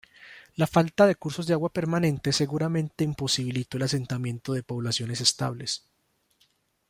La falta de cursos de agua permanente seguramente imposibilitó el asentamiento de poblaciones estables.